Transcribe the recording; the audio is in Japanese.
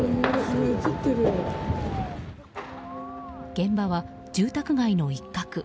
現場は住宅街の一角。